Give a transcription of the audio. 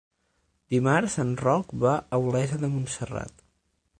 Dimarts en Roc va a Olesa de Montserrat.